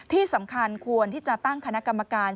ที่สำคัญควรที่จะตั้งคณะกรรมการ